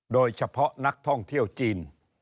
โดยเฉพาะนักท่องเที่ยวจีน